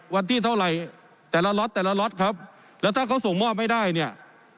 วันที่เท่าไหร่แต่ละล็อตแต่ละล็อตครับแล้วถ้าเขาส่งมอบไม่ได้เนี่ย